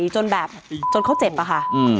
จนแบบจนเขาเจ็บอะค่ะ